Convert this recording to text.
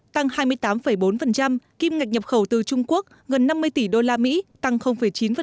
tăng hai mươi tám bốn kim ngạch nhập khẩu từ trung quốc gần năm mươi tỷ usd tăng chín